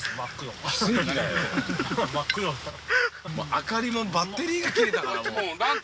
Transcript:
明かりもバッテリーが切れたから。